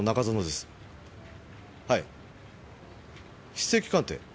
筆跡鑑定？